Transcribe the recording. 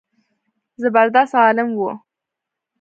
زبردست عالم و.